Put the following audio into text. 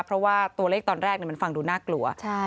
เพราะว่าตัวเลขตอนแรกมันฟังดูน่ากลัว